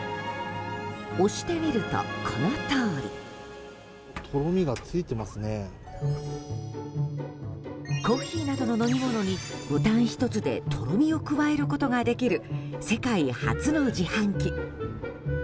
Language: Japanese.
押してみると、このとおり。コーヒーなどの飲み物にボタン１つでとろみを加えることができる世界初の自販機。